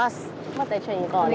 また一緒に行こうね。